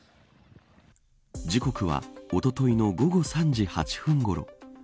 時刻はおとといの午後３時８分ごろ。